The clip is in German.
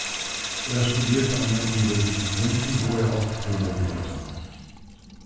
Er studierte an der Universität München, wo er auch promovierte.